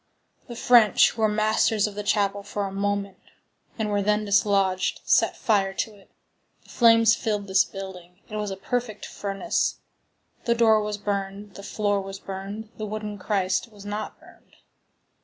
The French, who were masters of the chapel for a moment, and were then dislodged, set fire to it. The flames filled this building; it was a perfect furnace; the door was burned, the floor was burned, the wooden Christ was not burned.